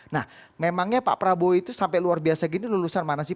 nah memangnya pak prabowo itu sampai luar biasa gini lulusan mana sih